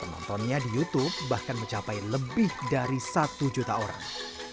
penontonnya di youtube bahkan mencapai lebih dari satu juta orang